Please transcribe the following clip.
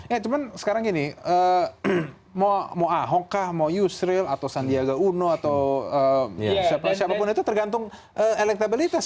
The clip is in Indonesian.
ya cuman sekarang gini mau ahok kah mau yusril atau sandiaga uno atau siapapun itu tergantung elektabilitas